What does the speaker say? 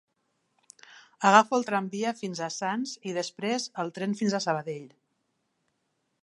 Agafo el tramvia fins a Sants i després el tren fins a Sabadell.